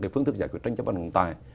phương thức giải quyết tranh chấp đồng tài